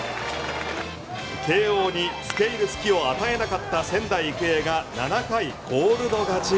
帝王に付け入る隙を与えなかった仙台育英が７回コールド勝ち。